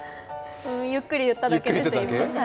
ゆっくり言っただけです、今。